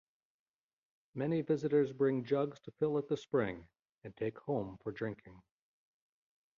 Many visitors bring jugs to fill at the spring and take home for drinking.